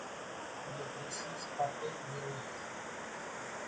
Le Plessis-Patte-d'Oie